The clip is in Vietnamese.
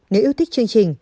nếu yêu thích chương trình